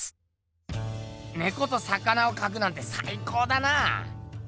猫と魚をかくなんてさい高だな。